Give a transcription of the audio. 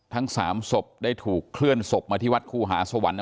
ทั้ง๓ศพได้ถูกเคลื่อนศพมาที่วัดคู่หาสวรรค์